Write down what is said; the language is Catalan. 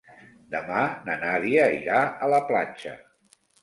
Demà na Nàdia irà a la platja.